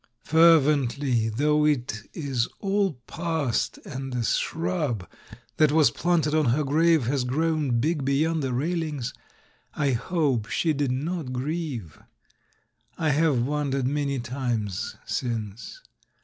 Fervently, though it is all past and the shrub that was planted on her grave has grown big be yond the raihngs, I hope she did not gi'ieve! I have wondered many times — since.